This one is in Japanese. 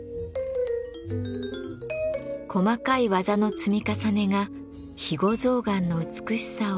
細かい技の積み重ねが肥後象がんの美しさを生み出しているのです。